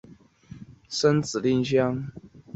生子令香。